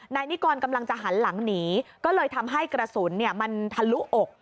นายนิกรกำลังจะหันหลังหนีก็เลยทำให้กระสุนมันทะลุอก